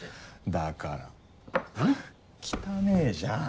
だから汚えじゃん！